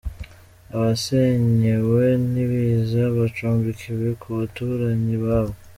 Abasenyewe n’ibiza bacumbikiwe ku baturanyi babo.